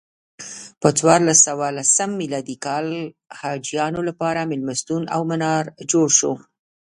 په څوارلس سوه لسم میلادي کال حاجیانو لپاره میلمستون او منار جوړ شو.